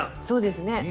そうですね。